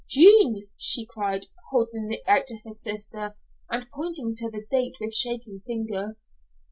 "Jean," she cried, holding it out to her sister and pointing to the date with shaking finger.